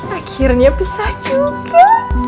akhirnya bisa juga